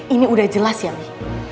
ini udah jelas ya nih